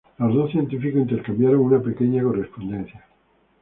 Los dos científicos intercambiaron una pequeña correspondencia.